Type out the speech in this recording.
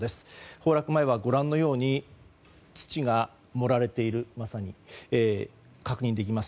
崩落前はご覧のように土が盛られているのが確認されています。